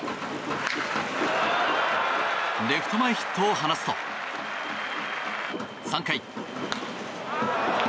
レフト前ヒットを放つと３回。